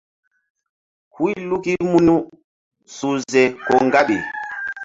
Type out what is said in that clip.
Huy luki munu uhze ko ŋgaɓi.